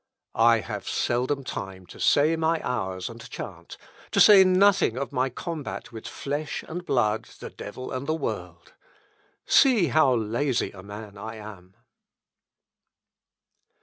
I have seldom time to say my Hours and chant, to say nothing of my combat with flesh and blood, the devil and the world.... See how lazy a man I am."